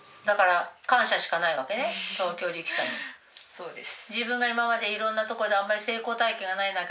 そうです。